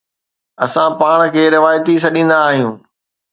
اسان پاڻ کي روايتي سڏيندا آهيون.